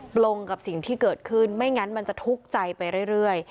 ลงกับสิ่งที่เกิดขึ้นไม่งั้นมันจะทุกข์ใจไปเรื่อย